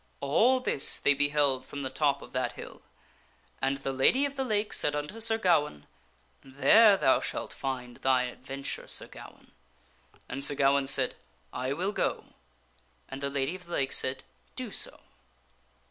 All this they beheld from the top of that hill, and the Lady of the Lake said unto Sir Gawaine, " There thou shalt find thy adventure, Sir Ga waine." And Sir Gawaine said, " I will go," and the Lady of the Lake said, " Do so."